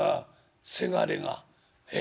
せがれが。え？